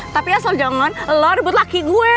tapi asal jangan lo rebut laki gue